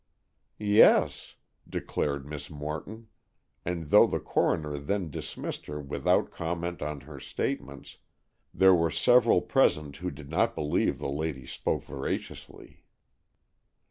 "Yes," declared Miss Morton, and though the coroner then dismissed her without comment on her statements, there were several present who did not believe the lady spoke veraciously.